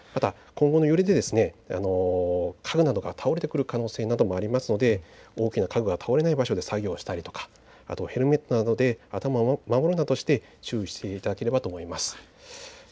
今後の揺れで家具などが倒れてくる可能性もありますので家具が倒れない場所で作業をしたりとかヘルメットなどで頭を守るなどして注意していただければと思います。